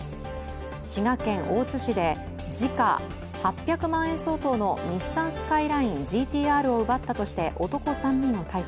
滋賀県大津市で時価８００万円相当の日産スカイラインＧＴ−Ｒを奪ったとして男３人を逮捕。